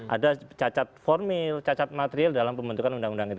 ada cacat formil cacat material dalam pembentukan undang undang itu